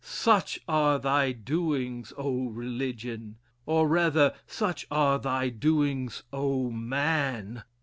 Such are thy doings, oh! religion! Or, rather, such are thy doings, oh! man!